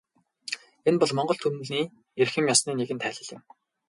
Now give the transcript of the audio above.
Энэ бол монгол түмний эрхэм ёсны нэгэн тайлал юм.